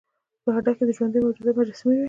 په هډه کې د ژوندیو موجوداتو مجسمې وې